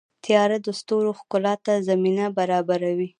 • تیاره د ستورو ښکلا ته زمینه برابروي.